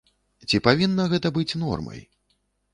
Ці павінна гэта быць нормай?